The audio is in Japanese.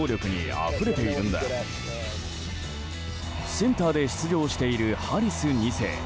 センターで出場しているハリス２世。